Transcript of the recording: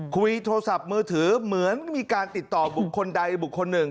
คุยโทรศัพท์มือถือเหมือนมีการติดต่อบุคคลใดบุคคลหนึ่ง